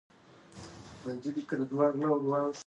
هغوی ته مفتې پیسې مه ورکوئ.